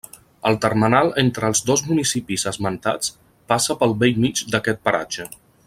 El termenal entre els dos municipis esmentats passa pel bell mig d'aquest paratge.